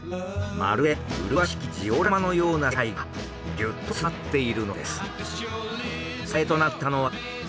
まるで麗しきジオラマのような世界がギュッと詰まっているのです。